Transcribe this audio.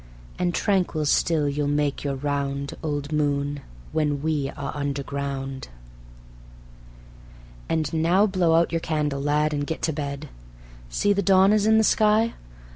And tranquil still you'll make your round, Old Moon, when we are underground. "And now, blow out your candle, lad, and get to bed. See, the dawn is in the sky.